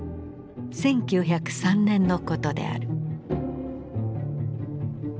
１９０３年のことである。